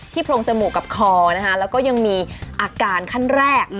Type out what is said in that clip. โพรงจมูกกับคอนะคะแล้วก็ยังมีอาการขั้นแรก